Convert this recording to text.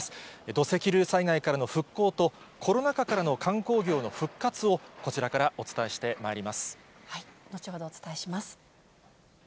土石流災害からの復興とコロナ禍からの観光業の復活を、こちらか後ほどお伝えします。